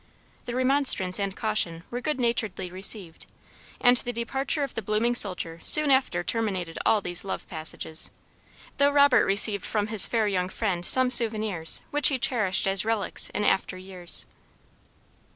The remonstrance and caution were good naturedly received, and the departure of the blooming soldier soon after terminated all these love passages, though Robert received from his fair young friend some souvenirs, which he cherished as relics in after years.